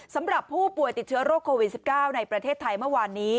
สำหรับผู้ป่วยติดเชื้อโรคโควิด๑๙ในประเทศไทยเมื่อวานนี้